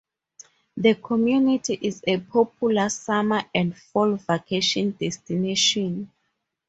The community is a popular summer and fall vacation destination.